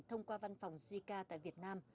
thông qua văn phòng giai ca tại việt nam